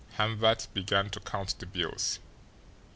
Hamvert began to count the bills.